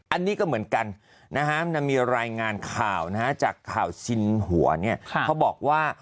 อันนี้ก็เหมือนกันนะฮะมันมีรายงานข่าวนะฮะจากข่าวชินหัวเนี่ยเขาบอกว่า